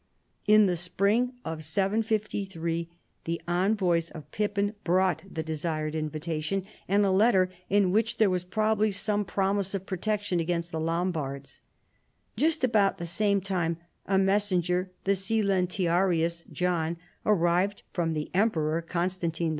In the spring of T53 th(; envoys of Pippin brought the desired invitation, PIPPIN, KING OF THE FRANKS. 87 and a letter, in which there was probably some prom ise of protection against the Lombards. Just about the same time a messenger, the silentiarius* John, ar rived from the Emperor Constantine Y.